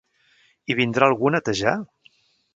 I vindrà algú a netejar?